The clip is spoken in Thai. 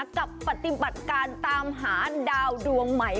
กับปฏิบัติการตามหาดาวดวงใหม่